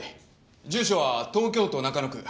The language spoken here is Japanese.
住所は東京都中野区。